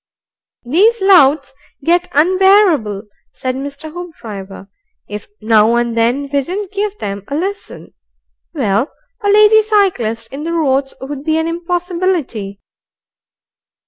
"These louts get unbearable," said Mr. Hoopdriver. "If now and then we didn't give them a lesson, well, a lady cyclist in the roads would be an impossibility."